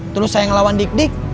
terus saya ngelawan dik dik